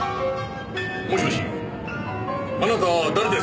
もしもしあなた誰ですか？